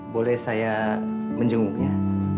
boleh saya menjenguknya